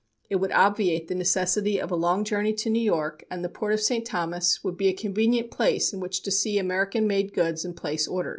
It would obviate the necessity of a long journey to New York, and the port of St. Thomas would be a convenient place in which to see American made goods and place orders.